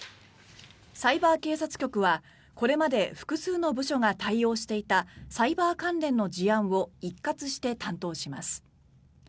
サイバー警察局はこれまで複数の部署が対応していたサイバー関連の事案を一括して担当します。